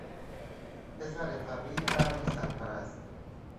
پسر فقیر و بی سرپرست